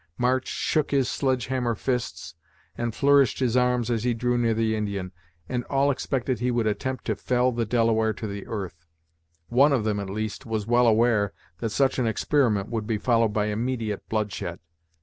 March shook his sledge hammer fists and flourished his arms as he drew near the Indian, and all expected he would attempt to fell the Delaware to the earth; one of them, at least, was well aware that such an experiment would be followed by immediate bloodshed.